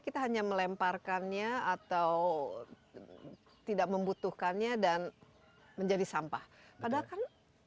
kita hanya melemparkannya atau tidak membutuhkannya dan menjadi sampah padahal kan